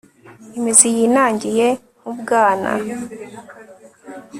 imizi yinangiye nkubwana